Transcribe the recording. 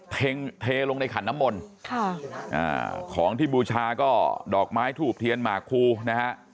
เพ็งเทลงในขัดน้้ำมนของที่บูชาก็ดอกไม้ถูบเทียนมากคูนะฮะ